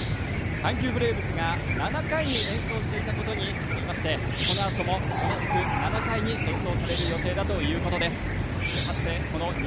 阪急ブレーブスが７回に演奏していたことにちなみましてこのあとも同じく７回に演奏される予定ということです。